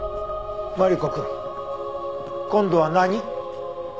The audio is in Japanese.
マリコくん今度は何？